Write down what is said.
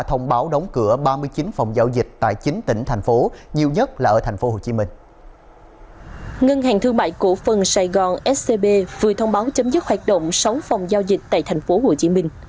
trong đó nhiều nhất là tại tp hcm và tiếp đó là hà nội